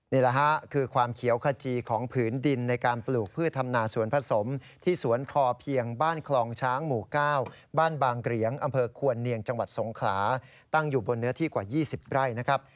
นี่แหละฮะคือความเขียวขจีของผืนดินในการปลูกพืชทำนาสวนผสมที่สวนพอเพียงบ้านคลองช้างหมู่๙บ้านบางเกรียงอำเภอควรเนียงจังหวัดสงขลาตั้งอยู่บนเนื้อที่กว่า๒๐ไร่นะครับ